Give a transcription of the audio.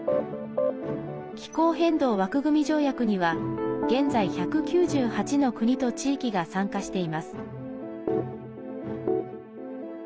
気候変動枠組条約には現在１９８の国と地域が参加しています。